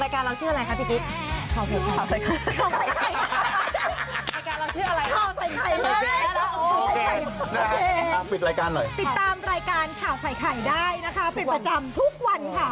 เรียกรู้ชื่ออะไรคะพี่ติ๊กข่าวไข่ไข่เลยผิดรายการหน่อยติดตามรายการข่าวไข่ไข่ได้นะคะเป็นประจำทุกวันค่ะ